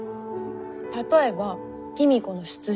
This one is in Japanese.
例えば公子の出自。